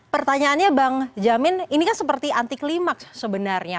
pertanyaannya bang jamin ini kan seperti anti klimak sebenarnya